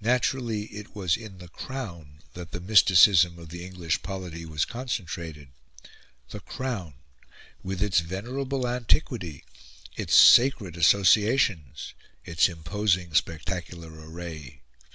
Naturally it was in the Crown that the mysticism of the English polity was concentrated the Crown, with its venerable antiquity, its sacred associations, its imposing spectacular array.